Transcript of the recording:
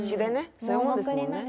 そういうもんですもんね